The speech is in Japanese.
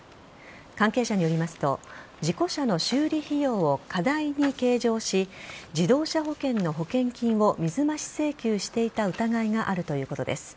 関係者によりますと事故車の修理費用を過大に計上し自動車保険の保険金を水増し請求していた疑いがあるということです。